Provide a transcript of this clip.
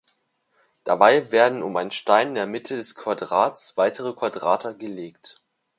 Dabei werden um einen Stein in der Mitte des Quadrats weitere Quadrate gelegt.